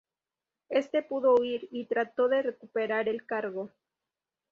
Este pudo huir y trató de recuperar el cargo.